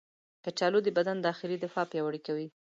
کچالو د بدن داخلي دفاع پیاوړې کوي.